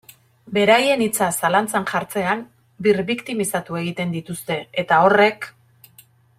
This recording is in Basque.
Beraien hitza zalantzan jartzean birbiktimizatu egiten dituzte, eta horrek.